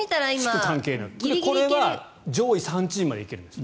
これは上位３チームまで行けるんです。